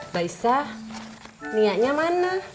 mbak isah niatnya mana